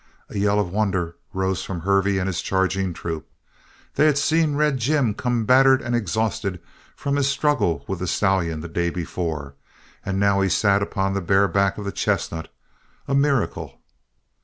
A yell of wonder rose from Hervey and his charging troop. They had seen Red Jim come battered and exhausted from his struggle with the stallion the day before, and now he sat upon the bareback of the chestnut a miracle!